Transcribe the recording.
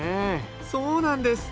そうなんです。